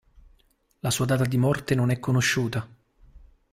La sua data di morte non è conosciuta.